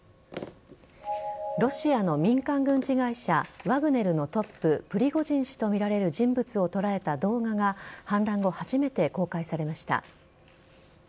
ロシアの民間軍事会社ワグネルのトッププリゴジン氏とみられる人物を捉えた動画が反乱後、初めて公開されました。